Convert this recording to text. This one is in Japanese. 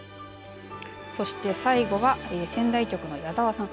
そして最後は仙台局の矢澤さん。